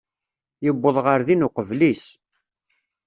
Yuwweḍ ɣer din uqbel-is.